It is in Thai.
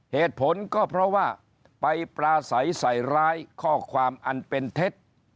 เหตุผลก็เพราะว่าไปปราศัยใส่ร้ายข้อความอันเป็นเท็จ